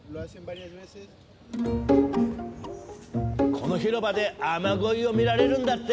この広場で雨乞いを見られるんだって。